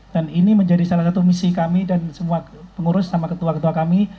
dan ini menjadi salah satu misi kami dan semua pengurus sama ketua ketua kami